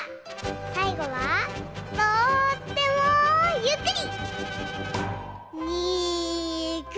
さいごはとってもゆっくり。